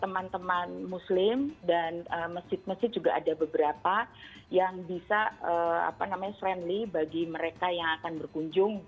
teman teman muslim dan masjid masjid juga ada beberapa yang bisa friendly bagi mereka yang akan berkunjung